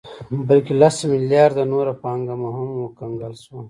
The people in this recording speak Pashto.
بلکې لس مليارده نوره پانګه مو هم کنګل شوه